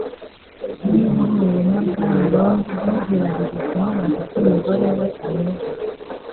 Niba uhuye na Bwana Long ntuzibagirwe kumubaza uko umugore we ameze